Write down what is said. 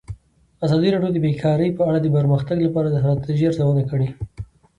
ازادي راډیو د بیکاري په اړه د پرمختګ لپاره د ستراتیژۍ ارزونه کړې.